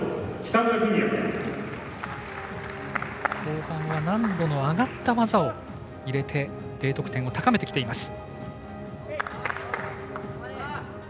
後半は難度の上がった技を入れてＤ得点を高めてきています。